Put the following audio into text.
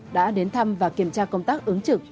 đã đến thăm và kiểm tra công tác ứng trực